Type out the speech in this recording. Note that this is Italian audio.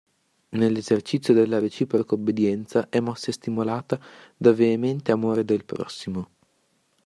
Nell'esercizio della reciproca obbedienza è mossa e stimolata da veemente amore del prossimo.